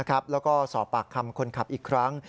แล้วก็สอบปากคำคนขับอีกครั้ง